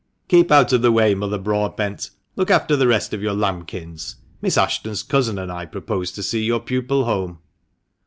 "Keep out of the way, Mother Broadbent. Look after the rest of your lambkins. Miss Ashton's cousin and I propose to see your pupil home."